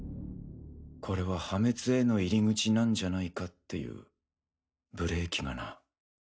これは破滅への入口なんじゃないかっていうブレーキがな。